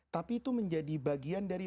tapi itu menjadi bagian dari